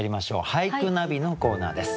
「俳句ナビ」のコーナーです。